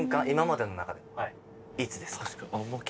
今までの中でいつですか？